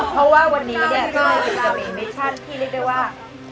เพราะว่าวันนี้จะมีมิชชั่นที่เรียกได้ว่าทดสอบร่างกายและจิตใจ